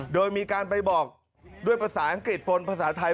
โดยมีการไปบอกด้วยภาษาอังกฤษปนภาษาไทย